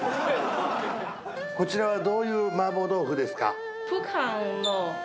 こちらはどういう麻婆豆腐ですか？